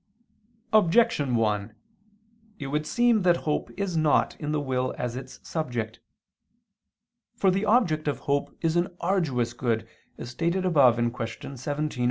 Objection 1: It would seem that hope is not in the will as its subject. For the object of hope is an arduous good, as stated above (Q. 17, A.